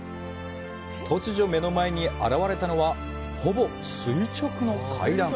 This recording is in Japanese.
突如、目の前に現れたのは、ほぼ垂直の階段！